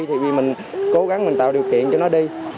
thì vì mình cố gắng mình tạo điều kiện cho nó đi